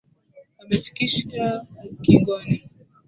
Amefikisha ukingoni